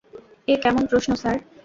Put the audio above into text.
এ কেমন প্রশ্ন, স্যার?